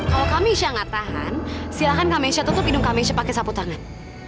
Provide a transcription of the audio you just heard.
kalau kamisya gak tahan silahkan kamisya tutup hidung kamisya pakai sapu tangan